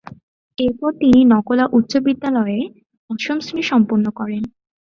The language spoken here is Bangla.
এরপর তিনি নকলা উচ্চ বিদ্যালয়ে অষ্টম শ্রেণি সম্পন্ন করেন।